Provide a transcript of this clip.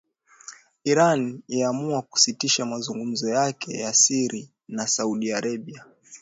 Iran yaamua kusitisha mazungumzo yake ya siri na Saudi Arabia